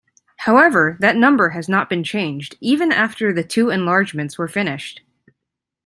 However, that number has not been changed even after the two enlargements were finished.